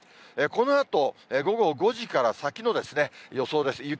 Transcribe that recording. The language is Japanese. このあと、午後５時から先のよそうです。